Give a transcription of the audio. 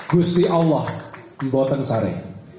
gusti allah mboteng sare